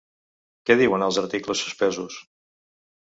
Què diuen els articles suspesos?